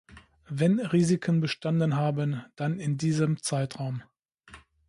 Wenn Risiken bestanden haben, dann in diesem Zeitraum.